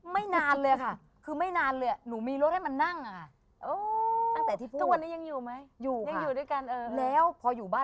ไม่นานเลยค่ะคือไม่นานเลยหนูมีรถให้มันนั่งค่ะ